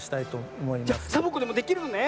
じゃサボ子でもできるのね？